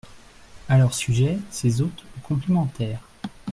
À leur sujet ses hôtes le complimentèrent.